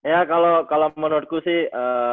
ya kalau menurutku sih